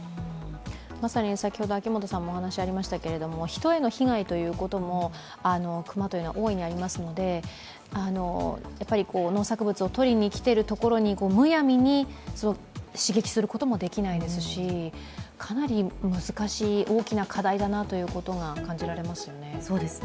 人への被害ということも熊というのは大いにありますので、農作物を取りに来ているところにむやみに刺激することもできないですし、かなり難しい、大きな課題だなと感じられますね。